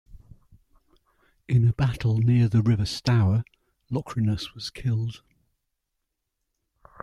In a battle near the River Stour, Locrinus was killed.